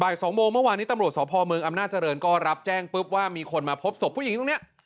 ๒โมงเมื่อวานนี้ตำรวจสพเมืองอำนาจริงก็รับแจ้งปุ๊บว่ามีคนมาพบศพผู้หญิงตรงนี้